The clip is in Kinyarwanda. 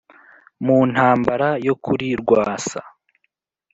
Mu ntambara yo kuri Rwasa